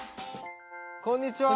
こんにちは。